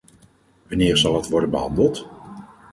Wanneer zal het worden behandeld?